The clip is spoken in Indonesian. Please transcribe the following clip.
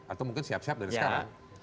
atau mungkin siap siap dari sekarang